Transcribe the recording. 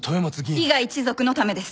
伊賀一族のためです。